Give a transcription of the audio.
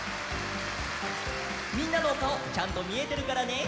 みんなのおかおちゃんとみえてるからね。